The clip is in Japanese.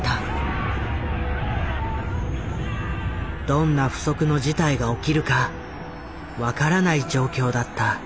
どんな不測の事態が起きるか分からない状況だった。